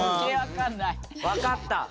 わかった！